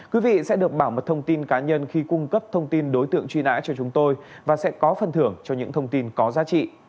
quý vị sẽ được bảo mật thông tin cá nhân khi cung cấp thông tin đối tượng truy nã cho chúng tôi và sẽ có phần thưởng cho những thông tin có giá trị